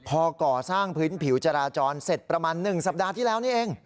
พอก่อสร้างพื้นผิวจราจรเสร็จประมาณ๑สัปดาห์ที่แล้วนี่เอง